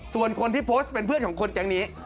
ส่วนคนที่โพสต์เป็นเพื่อนของคนแก๊งนี้